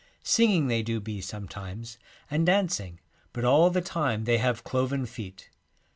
Singing they do be sometimes, and dancing, but all the time they have cloven feet.'